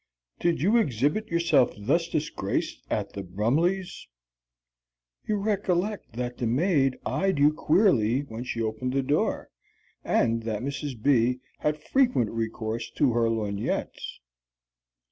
Did you exhibit yourself thus disgraced at the Brumleighs'? You recollect that the maid eyed you queerly when she opened the door, and that Mrs. B. had frequent recourse to her lorgnettes.